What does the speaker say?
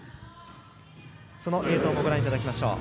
その映像もご覧いただきましょう。